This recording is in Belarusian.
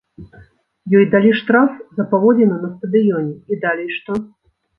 Ёй далі штраф за паводзіны на стадыёне, і далей што?